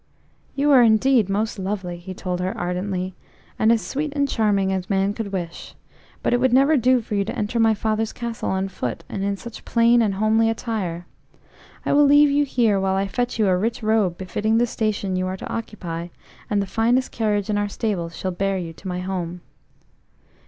OU are indeed most lovely," he told her ardently, "and as sweet and charming as man could wish. But it would never do for you to enter my father's castle on foot, and in such plain and homely attire. I will leave you here while I fetch you a rich robe befitting the station you are to occupy, and the finest carriage in our stables shall bear you to my home."